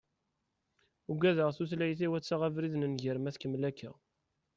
Uggadeɣ tutlayt-iw ad taɣ abrid n nnger ma tkemmel akka.